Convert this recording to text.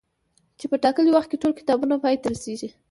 چي په ټاکلي وخت کي ټول کتابونه پاي ته رسيږي